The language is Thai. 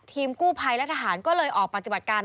ทีมกู้ภัยและทหารก็เลยออกปฏิบัติการ